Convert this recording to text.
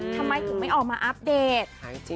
ทำไมไปออกมาอัพเดต